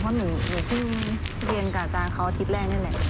เพราะหนูเพิ่งเรียนกับอาจารย์เขาอาทิตย์แรกนั่นแหละ